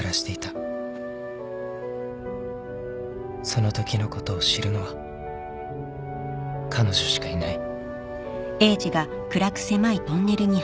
［そのときのことを知るのは彼女しかいない］